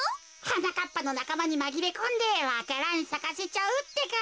はなかっぱのなかまにまぎれこんでわか蘭さかせちゃうってか。